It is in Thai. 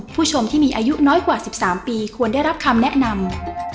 ผู้ชมที่มีอายุน้อยกว่า๑๓ปีควรได้รับคำแนะนำ